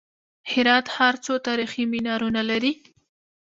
هرات ښار څو تاریخي منارونه لري؟